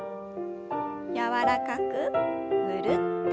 柔らかくぐるっと。